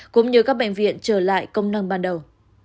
cũng như các bệnh viện trở lại công năng ban đầu